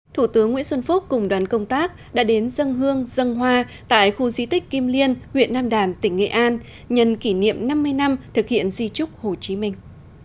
thủ tướng nguyễn xuân phúc cùng đoàn công tác đã đến dân hương dân hoa tại khu di tích kim liên huyện nam đàn tỉnh nghệ an nhân kỷ niệm năm mươi năm thực hiện di trúc hồ chí minh